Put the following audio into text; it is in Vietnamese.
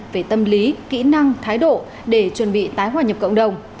về tâm lý kỹ năng thái độ để chuẩn bị tái hòa nhập cộng đồng